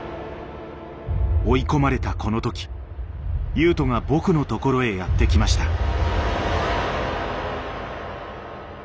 追い込まれたこの時雄斗が僕の所へやって来ました。